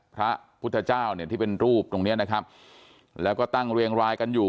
พระพุทธเจ้าเนี่ยที่เป็นรูปตรงเนี้ยนะครับแล้วก็ตั้งเรียงรายกันอยู่